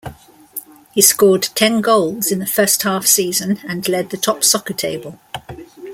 He scored ten goals in the first-half season and led the Top Soccer table.